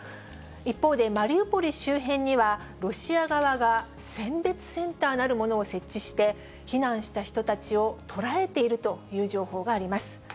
一方でマリウポリ周辺には、ロシア側が選別センターなるものを設置して、避難した人たちを捕らえているという情報があります。